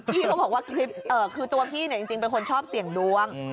เขาบอกว่าคลิปคือตัวพี่เนี่ยจริงเป็นคนชอบเสี่ยงดวง